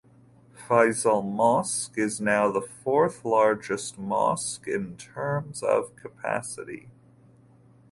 Faisal Mosque is now the fourth largest mosque in terms of capacity.